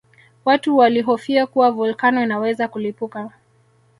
Watu walihofia kuwa volkano inaweza kulipuka